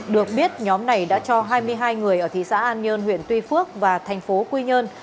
được biết nhóm này đã cho hai mươi hai người ở thị xã an nhơn huyện tuy phước và thành phố quy nhơn